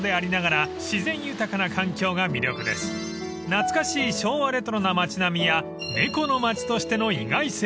［懐かしい昭和レトロな街並みや猫の街としての意外性］